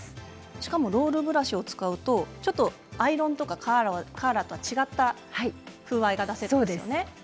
しかもロールブラシを使うとちょっとアイロンやカーラーとは違った風合いが出せるんですね。